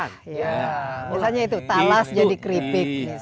misalnya itu talas jadi keripik